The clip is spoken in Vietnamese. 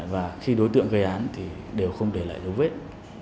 và khi đối tượng gây án thì đều không để lại dấu vết